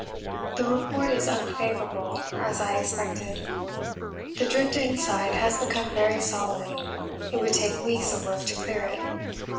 The report is unfavourable, as I expected. The drift inside has become very solid it would take weeks of work to clear it.